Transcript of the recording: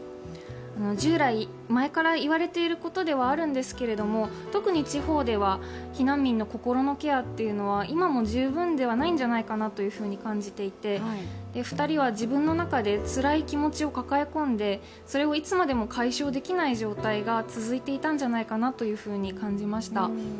従来、前から言われていることではあるんですけれども、特に地方では、避難民の心のケアというのは今でも十分ではないんじゃないかと感じていて２人は自分の中でつらい気持ちを抱え込んで、それをいつまでも解消できない状態が続いていたんじゃないかなと感じました。